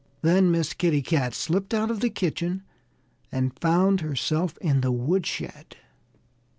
Then Miss Kitty Cat slipped out of the kitchen and found herself in the woodshed.